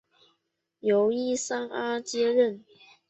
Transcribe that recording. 由伊桑阿接任。